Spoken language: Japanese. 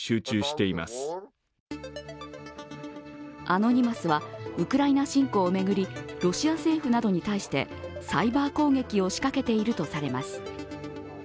アノニマスはウクライナ侵攻を巡り、ロシア政府などに対してサイバー攻撃を仕掛けているとされます。